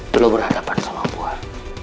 tuh lo berhadapan sama bubar